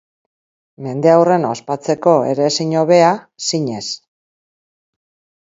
Mendeurrena ospatzeko era ezin hobea, zinez.